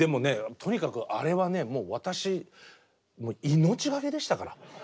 とにかくあれはね私命がけでしたから。